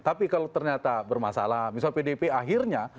tapi kalau ternyata bermasalah misalnya pdp akhirnya